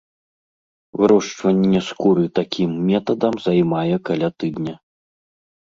Вырошчванне скуры такім метадам займае каля тыдня.